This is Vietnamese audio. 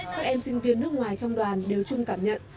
các em sinh viên nước ngoài trong đoàn đều chung cảm nhận